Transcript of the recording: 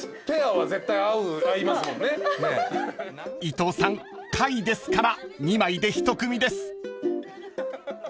［伊藤さん貝ですから２枚で１組です］